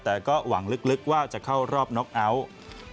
แต่ก็หวังลึกว่าจะเข้ารอบน็อกเอาท์